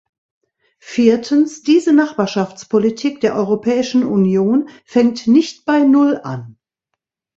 Viertens, diese Nachbarschaftspolitik der Europäischen Union fängt nicht bei null an.